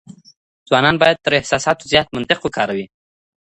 ځوانان بايد تر احساساتو زيات منطق وکاروي.